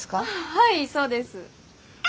はいそうです！あ！